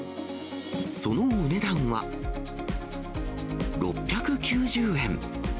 そのお値段は、６９０円。